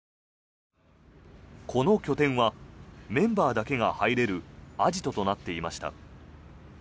この拠点はメンバーだけが入れるアジトとなっていました。